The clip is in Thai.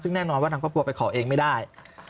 ซึ่งแน่นอนว่าทางครอบครัวไปขอเองไม่ได้